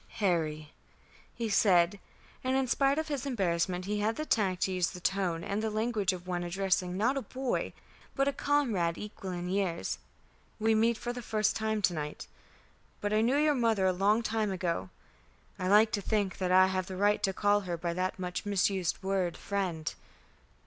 "Harry," he said, and in spite of his embarrassment he had the tact to use the tone and the language of one addressing not a boy, but a comrade equal in years, "we meet for the first time to night. But I knew your mother a long time ago. I like to think that I have the right to call her by that much misused word 'friend.'